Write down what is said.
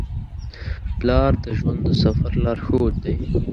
پلار د ژوند د سفر لارښود دی.